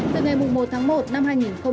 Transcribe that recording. từ ngày một tháng một năm hai nghìn hai mươi